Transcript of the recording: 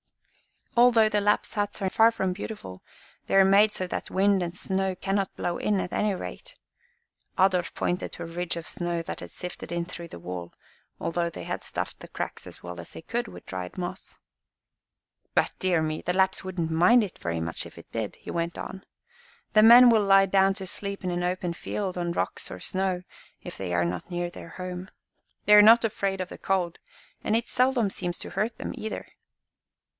"Although the Lapps' huts are far from beautiful, they are made so that wind and snow cannot blow in, at any rate." Adolf pointed to a ridge of snow that had sifted in through the wall, although they had stuffed the cracks as well as they could with dried moss. "But, dear me! the Lapps wouldn't mind it very much if it did," he went on. "The men will lie down to sleep in an open field on rocks or snow, if they are not near their home. They are not afraid of the cold, and it seldom seems to hurt them, either.